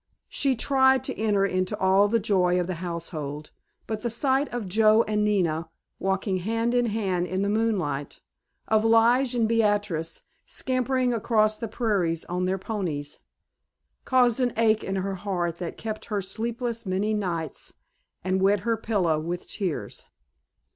She tried to enter into all the joy of the household, but the sight of Joe and Nina walking hand in hand in the moonlight, of Lige and Beatrice scampering across the prairies on their ponies, caused an ache in her heart that kept her sleepless many nights and wet her pillow with tears.